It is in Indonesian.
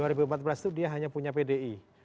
dua ribu empat belas itu dia hanya punya pdi